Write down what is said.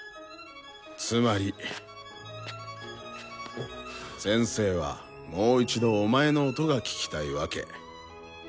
つまり先生はもう一度お前の音が聴きたいわけ。